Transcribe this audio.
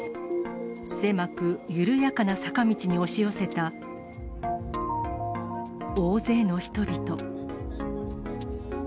狭く、緩やかな坂道に押し寄せた大勢の人々。